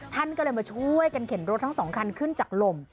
ท่านก็เลยมาช่วยกันเข็นรถทั้งสองคันขึ้นจากลม